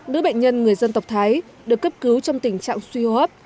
đứa bệnh nhân người dân tộc thái được cấp cứu trong tình trạng suy hô hấp